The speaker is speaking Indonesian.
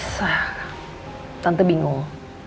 sah tante bingung